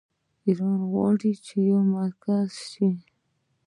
ایران غواړي چې یو مرکز شي.